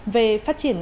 về phát triển